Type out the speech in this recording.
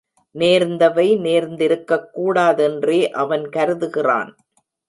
நேர்ந்தவை நேர்ந்திருக்கக் கூடாதென்றே அவன் கருதுகிறான்.